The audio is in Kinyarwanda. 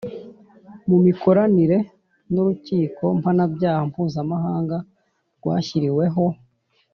Mu mikoranire n urukiko mpanabyaha mpuzamahanga rwashyiriweho